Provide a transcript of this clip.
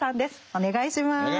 お願いします。